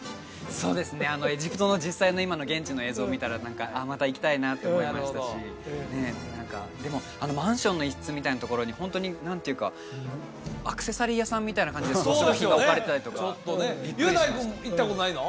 そうですねエジプトの実際の今の現地の映像見たらああまた行きたいなって思いましたしでもあのマンションの一室みたいなところにホントに何ていうかアクセサリー屋さんみたいな感じで装飾品が置かれてたりとか雄大君行ったことないの？